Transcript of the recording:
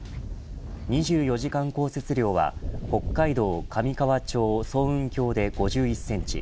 ２４時間降雪量は北海道上川町層雲峡で５１センチ。